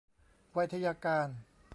ไวทยการ